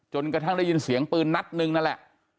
กระทั่งได้ยินเสียงปืนนัดหนึ่งนั่นแหละ